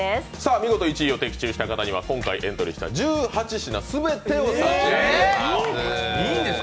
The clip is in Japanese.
見事１位を的中した方には今回エントリーした１８品全てを差し上げます。